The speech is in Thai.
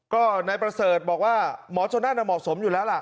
ก็นายประเสริฐบอกว่าหมอชนนั่นเหมาะสมอยู่แล้วล่ะ